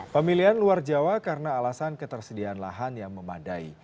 pemilihan luar jawa karena alasan ketersediaan lahan yang memadai